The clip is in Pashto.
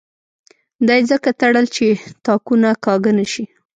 دا یې ځکه تړل چې تاکونه کاږه نه شي.